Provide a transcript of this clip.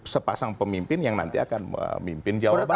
sepasang pemimpin yang nanti akan memimpin jawa barat